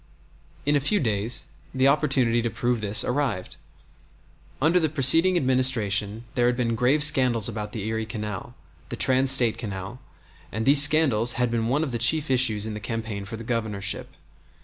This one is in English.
In a few days the opportunity to prove this arrived. Under the preceding Administration there had been grave scandals about the Erie Canal, the trans State Canal, and these scandals had been one of the chief issues in the campaign for the Governorship.